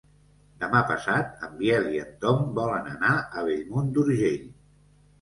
Demà passat en Biel i en Tom volen anar a Bellmunt d'Urgell.